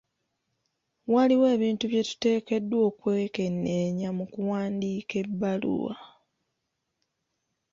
Waliwo ebintu bye tuteekeddwa okwekenneenya mu kuwandiika ebbaluwa.